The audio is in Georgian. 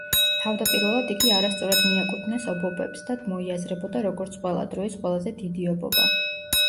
თავდაპირველად იგი არასწორად მიაკუთვნეს ობობებს და მოიაზრებოდა როგორც ყველა დროის ყველაზე დიდი ობობა.